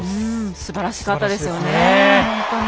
すばらしかったですよね。